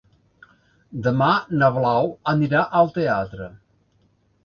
Demà na Blau anirà al teatre.